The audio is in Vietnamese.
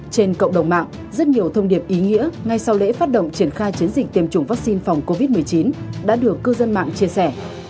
trên cộng đồng mạng rất nhiều thông điệp ý nghĩa ngay sau lễ phát động triển khai chiến dịch tiêm chủng vaccine phòng covid một mươi chín đã được cư dân mạng chia sẻ